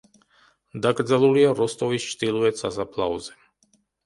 დაკრძალულია როსტოვის ჩრდილოეთ სასაფლაოზე.